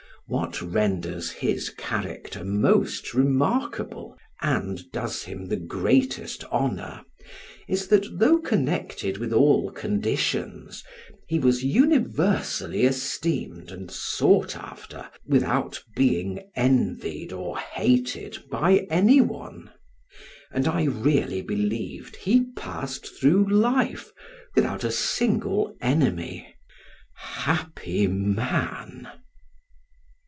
What renders his character most remarkable, and does him the greatest honor, is, that though connected with all conditions, he was universally esteemed and sought after without being envied or hated by any one, and I really believe he passed through life without a single enemy. Happy man!